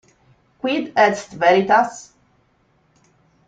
Quid est veritas?